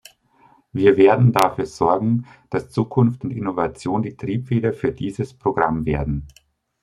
Wir werden dafür sorgen, dass Zukunft und Innovation die Triebfeder für dieses Programm werden.